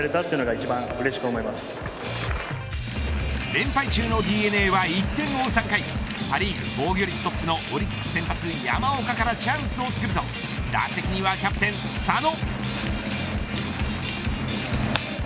連敗中のＤｅＮＡは１点を追う３回パ・リーグ防御率トップのオリックス先発山岡からチャンスを作ると打席にはキャプテン佐野。